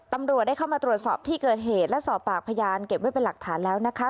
ตำรวจได้เข้ามาตรวจสอบที่เกิดเหตุและสอบปากพยานเก็บไว้เป็นหลักฐานแล้วนะคะ